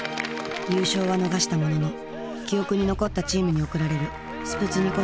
優勝は逃したものの記憶に残ったチームに贈られる「スプツニ子！